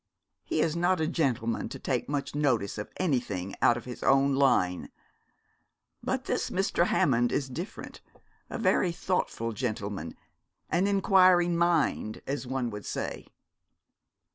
He is not a gentleman to take much notice of anything out of his own line. But this Mr. Hammond is different a very thoughtful gentleman, an inquiring mind, as one would say.'